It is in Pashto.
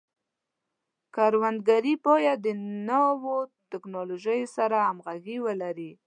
کروندګري باید د نوو ټکنالوژیو سره همغږي ولري.